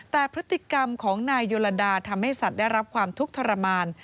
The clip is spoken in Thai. แต่พฤติกรรมของนายโยลดาทำให้สัตว์ได้รับความทุกข์ทรมาน